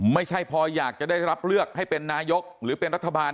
ไม่ใช่พออยากจะได้รับเลือกให้เป็นนายกหรือเป็นรัฐบาล